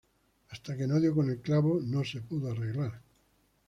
Hasta que no dio con el clavo, no se pudo arreglar